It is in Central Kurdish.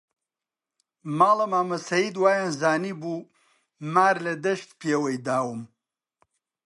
ماڵە مامە سەید وەیانزانیبوو مار لە دەشت پێوەی داوم